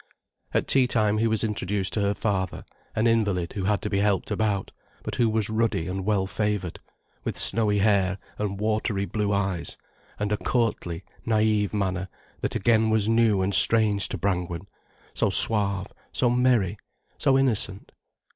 At tea time he was introduced to her father, an invalid who had to be helped about, but who was ruddy and well favoured, with snowy hair and watery blue eyes, and a courtly naïve manner that again was new and strange to Brangwen, so suave, so merry, so innocent.